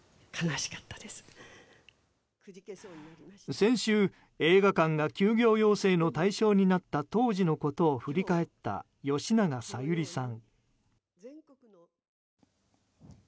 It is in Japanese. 先週、映画館が休業要請の対象になった当時のことを振り返った吉永小百合さん。